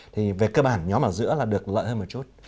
thì về cơ bản nhóm ở giữa là được lợi hơn một chút